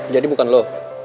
jadi bukan lo